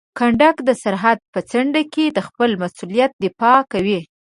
کنډک د سرحد په څنډه کې د خپل مسؤلیت دفاع کوي.